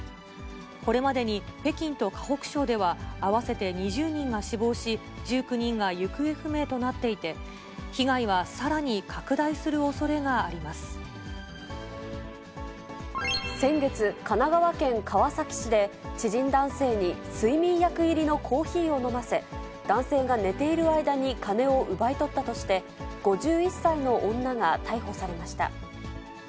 これまでに、北京と河北省では合わせて２０人が死亡し、１９人が行方不明となっていて、被害はさらに拡大するおそれがあ先月、神奈川県川崎市で、知人男性に睡眠薬入りのコーヒーを飲ませ、男性が寝ている間に金を奪い取ったとして、５１歳の女が逮捕されました。